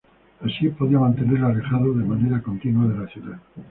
Así podía mantenerlos alejados de manera continua de la ciudad.